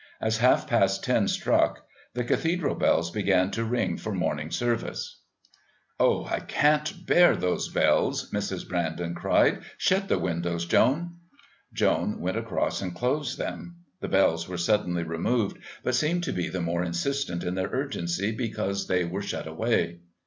As half past ten struck the Cathedral bells began to ring for morning service. "Oh, I can't bear those bells," Mrs. Brandon cried. "Shut the windows, Joan." Joan went across and closed them. The bells were suddenly removed, but seemed to be the more insistent in their urgency because they were shut away.